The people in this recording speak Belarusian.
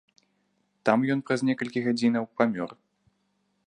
Там ён праз некалькі гадзінаў памёр.